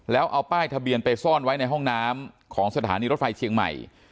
แล้วเอาป้ายทะเบียนไปซ่อนไว้ในห้องน้ำของสถานีรถไฟเชียงใหม่